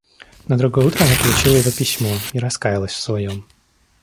На другое утро она получила его письмо и раскаялась в своем.